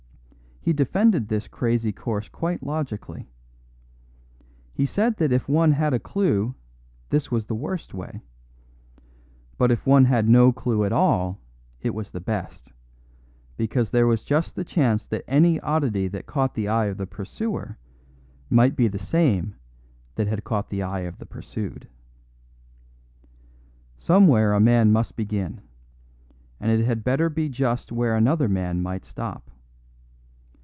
He defended this crazy course quite logically. He said that if one had a clue this was the worst way; but if one had no clue at all it was the best, because there was just the chance that any oddity that caught the eye of the pursuer might be the same that had caught the eye of the pursued. Somewhere a man must begin, and it had better be just where another man might stop.